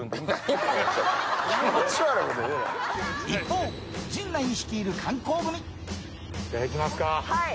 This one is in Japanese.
一方はい。